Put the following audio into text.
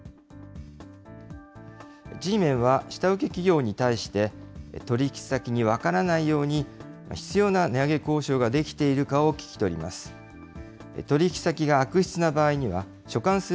Ｇメンは、下請け企業に対して、取り引き先に分からないように必要な値上げ交渉ができているかを聞き取ります。